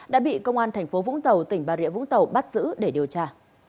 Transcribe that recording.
đã bị công an tp vũng tàu tỉnh bà rịa vũng tàu bắt giữ để điều tra